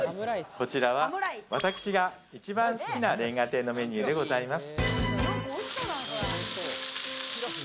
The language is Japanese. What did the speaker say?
こちらは私が一番好きな煉瓦亭のメニューでございます。